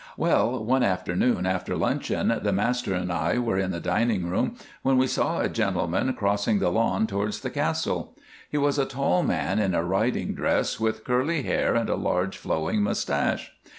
"Well, one afternoon after luncheon the master and I were in the dining hall, when we saw a gentleman crossing the lawn towards the castle. He was a tall man in a riding dress, with curly hair and a large flowing moustache.